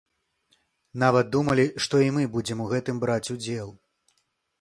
Нават думалі, што і мы будзем у гэтым браць удзел.